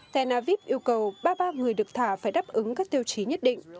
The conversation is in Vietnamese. tenavip yêu cầu ba ba người được thả phải đáp ứng các tiêu chí nhất định